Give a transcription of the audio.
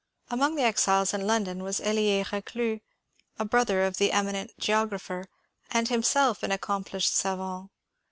Among the exiles in London was Eli^ Rdclus, a brother of the eminent geographer, and himself an accomplished savant.